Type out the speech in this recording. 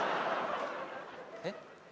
えっ？